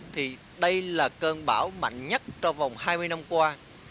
thì đây là cơn bão mạnh nhất trong vòng hai mươi năm qua